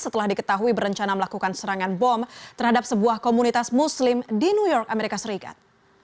setelah diketahui berencana melakukan serangan bom terhadap sebuah komunitas muslim di new york amerika serikat